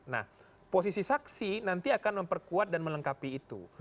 nah posisi saksi nanti akan memperkuat dan melengkapi itu